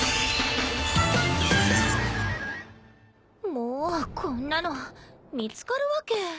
もうこんなの見つかるわけ。